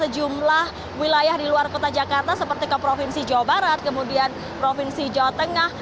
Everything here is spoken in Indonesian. jumlah wilayah di luar kota jakarta seperti ke provinsi jawa barat kemudian provinsi jawa tengah